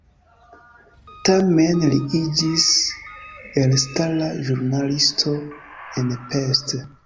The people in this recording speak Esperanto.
Tamen li iĝis elstara ĵurnalisto en Pest.